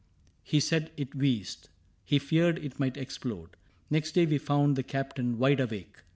He said it wheezed. He feared it might explode. Next day we found the Captain wide awake.